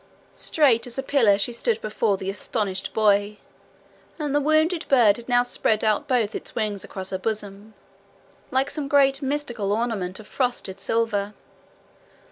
Straight as a pillar she stood before the astonished boy, and the wounded bird had now spread out both its wings across her bosom, like some great mystical ornament of frosted silver.